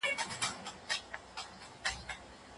ماشوم له خپل پلار څخه د پاملرنې تمه لرله.